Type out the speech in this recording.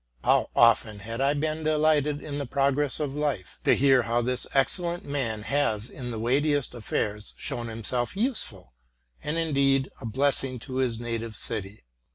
How often have I been delighted, in the progress of life, to hear how this excellent man has in the weightiest affairs shown himself useful, and indeed a blessing to his native city.